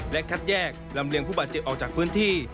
และคัดแยกลำเลียงผู้บาดเจ็บออกจากพื้นที่